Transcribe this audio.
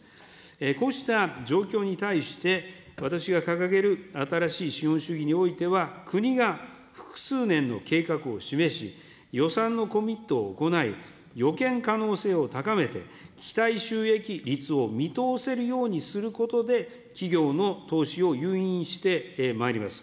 こうした状況に対して、私が掲げる新しい資本主義においては、国が複数年の計画を示し、予算のコミットを行い、予見可能性を高めて、期待収益率を見通せるようにすることで、企業の投資を誘引してまいります。